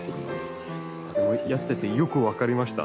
でもやっててよく分かりました。